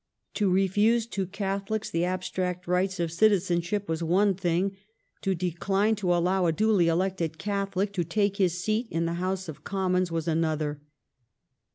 To refuse to Catholics the abstract rights of citizenship was one thing ; to decline to allow a duly elected Catholic to take his seat in the House of Commons was another.